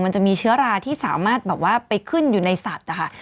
มันจะมีเชื้อราที่สามารถไปขึ้นอยู่ในสัตว์ค่ะ